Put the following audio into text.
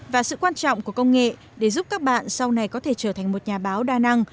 và sự quan trọng của công nghệ để giúp các bạn sau này có thể trở thành một nhà báo đa năng